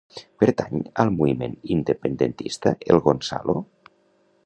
Pertany al moviment independentista el Gonzalo?